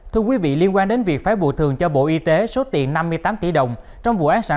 thưa quý vị liên quan đến việc phải bồi thường cho bộ y tế số tiền năm mươi tám tỷ đồng trong vụ án sản